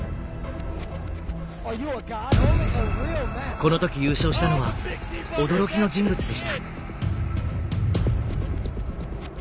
この時優勝したのは驚きの人物でした。